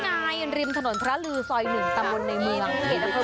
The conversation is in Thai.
ก็มีไงริมถนนธรรลือซอย๑ตามวนในมือคุณเขียนรับเพิ่มมือเลย